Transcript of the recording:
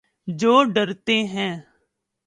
جو ڈرتے ہیں